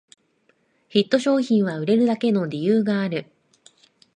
ヒット商品は売れるだけの理由がある